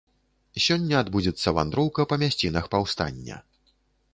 Сёння адбудзецца вандроўка па мясцінах паўстання.